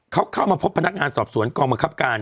เขาเข้ามาพบพนักงานสอบสวนกองบังคับการ